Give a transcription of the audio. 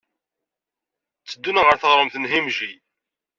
Tteddun ɣer teɣremt n Himeji.